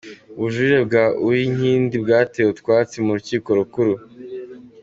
Ubujurire bwa Uwinkindi bwatewe utwatsi mu Rukiko Rukuru